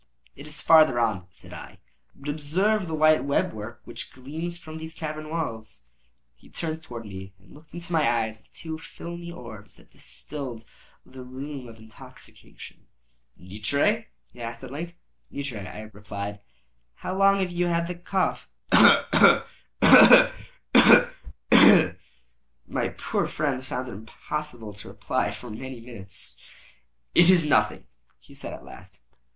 "It is farther on," said I; "but observe the white web work which gleams from these cavern walls." He turned towards me, and looked into my eyes with two filmy orbs that distilled the rheum of intoxication. "Nitre?" he asked, at length. "Nitre," I replied. "How long have you had that cough?" "Ugh! ugh! ugh!—ugh! ugh! ugh!—ugh! ugh! ugh!—ugh! ugh! ugh!—ugh! ugh! ugh!" My poor friend found it impossible to reply for many minutes. "It is nothing," he said, at last.